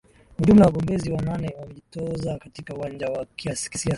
ujumla wagombezi wanane wamejitoza katika uwanja wa kisiasa